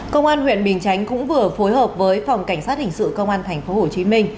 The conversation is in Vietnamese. công an huyện bình chánh cũng vừa phối hợp với phòng cảnh sát hình sự công an tp hồ chí minh